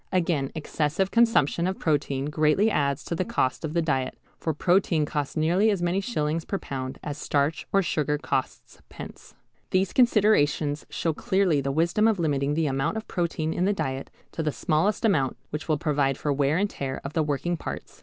Again, excessive consumption of protein greatly adds to the cost of the diet, for protein costs nearly as many shillings per pound as starch or sugar costs pence. These considerations show clearly the wisdom of limiting the amount of protein in the diet to the smallest amount which will provide for wear and tear of the working parts.